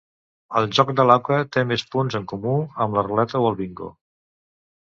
El joc de l'auca té més punts en comú amb la ruleta o el bingo.